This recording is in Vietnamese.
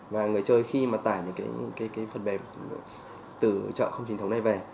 và người chơi khi mà tải những cái phần bềm từ chợ không trinh thống này về